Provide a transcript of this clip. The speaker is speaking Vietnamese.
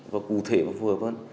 và cụ thể phù hợp